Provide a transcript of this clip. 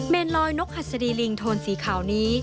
ลอยนกหัสดีลิงโทนสีขาวนี้